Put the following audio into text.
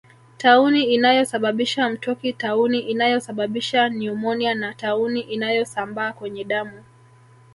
Tauni inayosababisha mtoki tauni inayosababisha nyumonia na tauni inayosambaa kwenye damu